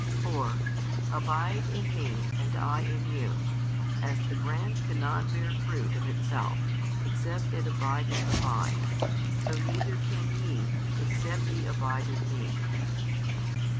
4 Abide in Me, and I in you. As the branch cannot bear fruit of itself, except it abide in the vine; so neither can ye, except ye abide in Me.